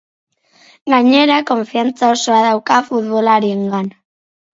Gainera, konfiantza osoa dauka furbolariengan.